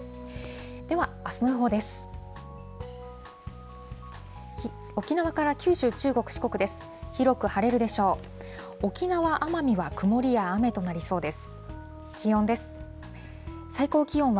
では、あすの予報です。